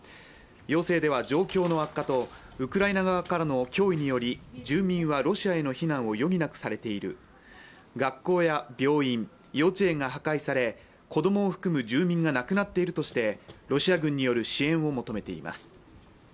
要請では状況の悪化とウクライナ側からの脅威により住民はロシアへの避難を余儀なくされている、学校や病院、幼稚園が破壊され子供を含む住民が亡くなっているとしてロシア軍による支援を求めています。